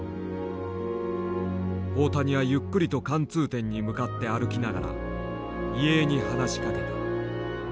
大谷はゆっくりと貫通点に向かって歩きながら遺影に話しかけた。